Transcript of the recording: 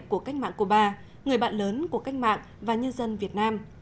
của cách mạng cuba người bạn lớn của cách mạng và nhân dân việt nam